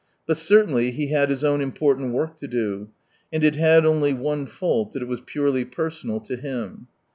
But certainly he had his own important work to do : and it had only one fault, that it was purely personal to him.